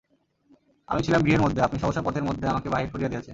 আমি ছিলাম গৃহের মধ্যে, আপনি সহসা পথের মধ্যে আমাকে বাহির করিয়া দিয়াছেন।